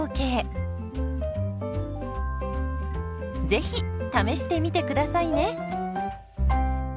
ぜひ試してみてくださいね。